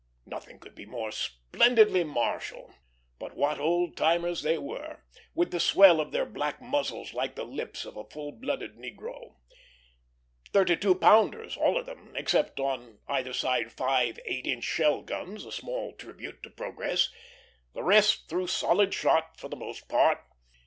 Nothing could be more splendidly martial. But what old timers they were, with the swell of their black muzzles, like the lips of a full blooded negro. Thirty two pounders, all of them; except on either side five eight inch shell guns, a small tribute to progress. The rest threw solid shot for the most part.